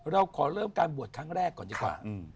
เราขอเริ่มการบวชครั้งแรกก่อนดีกว่า